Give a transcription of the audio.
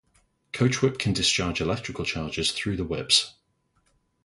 Coachwhip can discharge electrical charges through the whips.